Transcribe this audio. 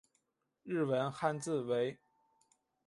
日文汉字为。